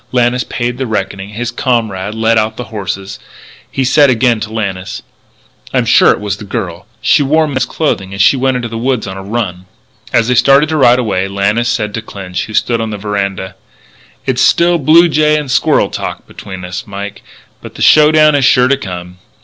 Lannis paid the reckoning; his comrade led out the horses. He said again to Lannis: "I'm sure it was the girl. She wore men's clothes and she went into the woods on a run." As they started to ride away, Lannis said to Clinch, who stood on the veranda: "It's still blue jay and squirrel talk between us, Mike, but the show down is sure to come.